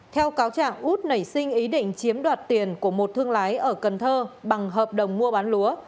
theo cáo trạng út nảy sinh ý định chiếm đoạt tiền của một thương lái ở cần thơ bằng hợp đồng mua bán lúa